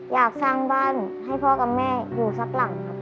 อยากสร้างบ้านให้พ่อกับแม่อยู่สักหลังครับ